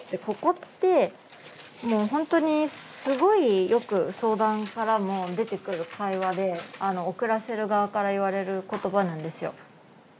ここってもう本当にすごいよく相談からも出てくる会話で送らせる側から言われる言葉なんですよ。